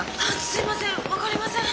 すいません分かりません。